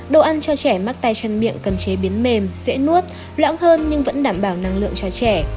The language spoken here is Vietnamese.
đồ ăn cho trẻ mắc tay chân miệng cần chế biến mềm dễ nuốt loãng hơn nhưng vẫn đảm bảo năng lượng cho trẻ